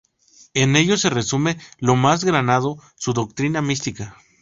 En ellos se resume lo más granado su doctrina mística.